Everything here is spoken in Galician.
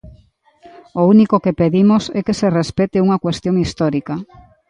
O único que pedimos é que se respecte unha cuestión histórica.